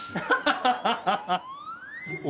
ハハハハ！